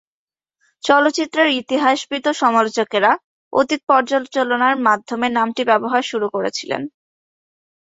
চলচ্চিত্রের ইতিহাসবিদ ও সমালোচকরা অতীত পর্যালোচনার মাধ্যমে নামটি ব্যবহার শুরু করেছিলেন।